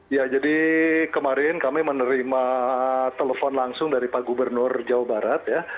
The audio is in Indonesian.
ya jadi kemarin kami menerima telepon langsung dari pak gubernur jawa barat ya